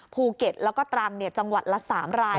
ภูเก็ตแล้วก็ตรังจังหวัดละ๓ราย